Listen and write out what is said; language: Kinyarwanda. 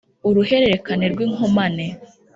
Uruherekane rw'inkomane